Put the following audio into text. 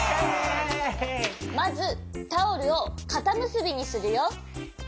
まずタオルをかたむすびにするよ。